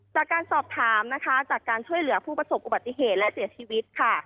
จากการสอบถามนะคะจากการช่วยเหลือผู้ประสบอุบัติเหตุและเสียชีวิตค่ะ